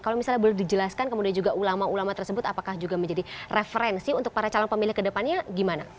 kalau misalnya boleh dijelaskan kemudian juga ulama ulama tersebut apakah juga menjadi referensi untuk para calon pemilih kedepannya gimana